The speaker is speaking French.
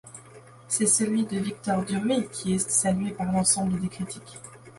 C'est celui de Victor Duruy qui est salué par l'ensemble des critiques.